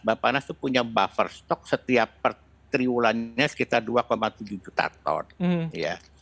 bapak nas itu punya buffer stok setiap triwulannya sekitar dua tujuh juta ton ya